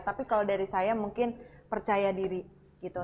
tapi kalau dari saya mungkin percaya diri gitu